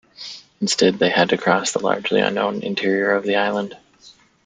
Instead they had to cross the largely unknown interior of the island.